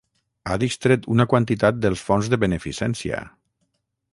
Ha distret una quantitat dels fons de beneficència.